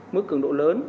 mức cường độ lớn